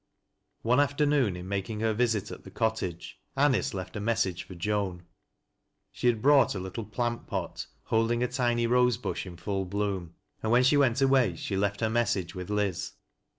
One afternoon in making her visit at the cottage, Auicc [bit a message for Joan. She had brought a little plant pot holding a tiny rose bush in full bloom, and when shy went away she left her message with Liz.